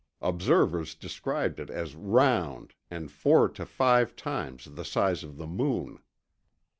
Observers described it as round and four to five times the size of the moon.